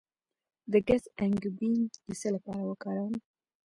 د ګز انګبین د څه لپاره وکاروم؟